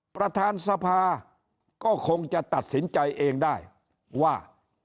ประธานสภาก็คงจะตัดสินใจเองได้ว่า